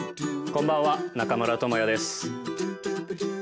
こんばんは中村倫也です